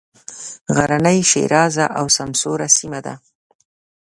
غرنۍ ښېرازه او سمسوره سیمه ده.